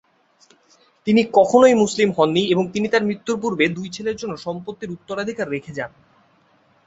তিনি কখনই মুসলিম হননি এবং তিনি তার মৃত্যুর পূর্বে দুই ছেলের জন্য সম্পত্তির উত্তরাধিকার রেখে যান।